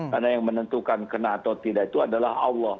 karena yang menentukan kena atau tidak itu adalah allah